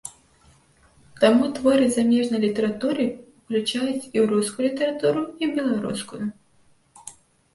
Таму творы замежнай літаратуры уключаюць і ў рускую літаратуру, і ў беларускую.